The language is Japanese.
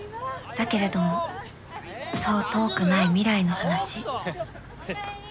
だけれどもそう遠くない未来の話おかえり！